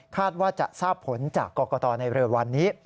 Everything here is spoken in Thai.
คาดว่าจะทราบผลจากกกในรอดวันนี้